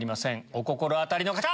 お心当たりの方！